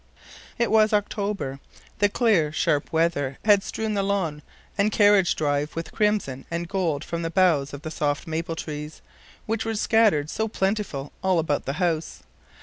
It was October. The clear, sharp weather had strewn the lawn and carriage drive with crimson and gold from the boughs of the soft maple trees, which were scattered so plentifully all about the house.